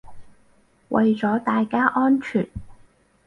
為咗大家安全